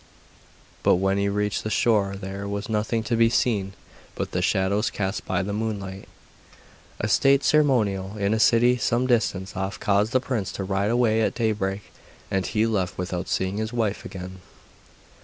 But when he reached the shore there was nothing to be seen but the shadows cast by the moonlight. A state ceremonial in a city some distance off caused the prince to ride away at daybreak, and he left without seeing his wife again.